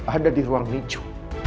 ada di ruang niju